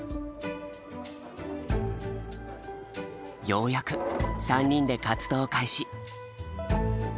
ようやく３人で活動開始。